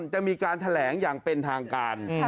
จะมีการแถลงอย่างเป็นทางการ